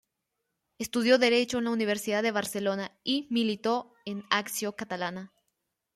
Estudió derecho en la Universidad de Barcelona y militó en Acció Catalana.